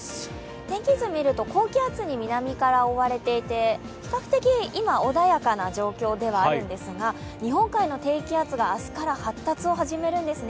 天気図見ると高気圧に南から覆われていて比較的今、穏やかな状況ではあるんですが、日本海の低気圧が明日から発達を始めるんですね。